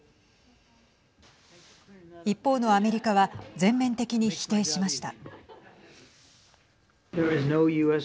一方のアメリカは全面的に否定しました。